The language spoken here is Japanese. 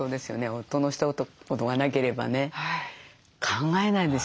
夫のひと言がなければね考えないですよ。